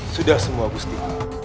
sudah semua busti